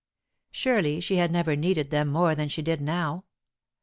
Surely she had never needed them more than she did now!